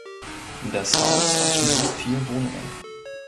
Das Haus hat nun vier Wohnungen.